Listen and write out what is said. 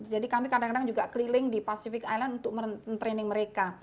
jadi kami kadang kadang juga keliling di pacific island untuk mentraining mereka